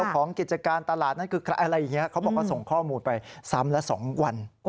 ของกิจการตลาดนั่นอะไรอย่างเงี้ยเขาบอกว่าส่งข้อมูลไป๓ละ๒วัน